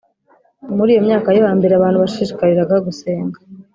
Muri iyo myaka yo hambere abantu bashishikariraga gusenga